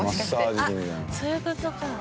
あっそういう事か。